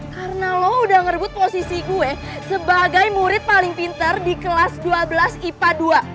karena lo udah ngerebut posisi gue sebagai murid paling pinter di kelas dua belas ipa dua